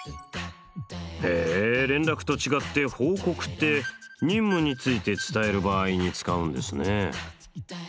へえ連絡と違って報告って任務について伝える場合に使うんですね。